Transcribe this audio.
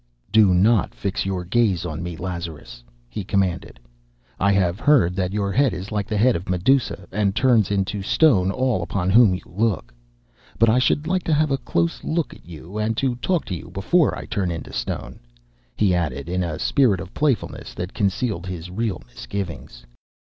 "Do not fix your gaze on me, Lazarus," he commanded. "I have heard that your head is like the head of Medusa, and turns into stone all upon whom you look. But I should like to have a close look at you, and to talk to you before I turn into stone," he added in a spirit of playfulness that concealed his real misgivings.